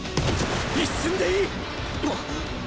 一瞬でいい！